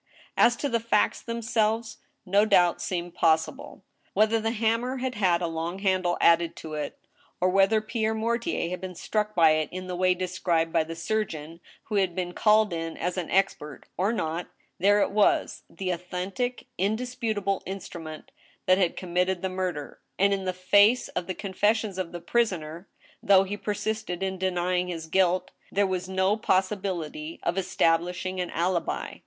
As to the facts themselves no doubt seemed possible. Whether the hammer had had a long handle added to it, or whether Pierre Mortier had been struck by it in the way described by the sur geon who had been called in as an expert, or not, there it was — the authentic, indisputable instrument that had committed the murder, and in the face of the confessions of the prisoner (though he per sisted in denying his guilt), there was no possibility of establishing an alibi.